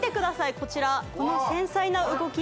こちらこの繊細な動き